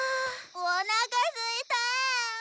おなかすいたぁ。